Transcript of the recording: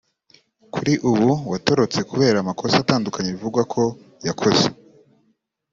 kuri ubu watorotse kubera amakosa atandukanye bivugwa ko yakoze